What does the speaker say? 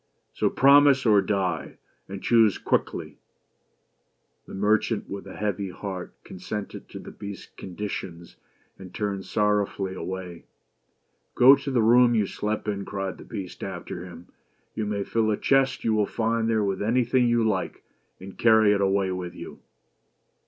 So promise, or die! and choose quickly !" The merchant with a heavy heart, consented to the Beasts 93 BEAUTY AND THE BEAST. conditions, and turned sorrowfully away. " Go to the room you slept in," cried the Beast after him, " you may fill a chest you will find there with anything you like, and carry it away with you."